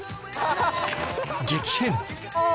激変